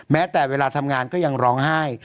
แม้แต่เวลาทำงานก็ยังร้องไห้